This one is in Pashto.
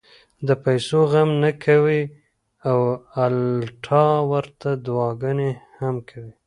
د پېسو غم نۀ کوي او الټا ورته دعاګانې هم کوي -